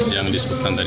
yang disebutkan tadi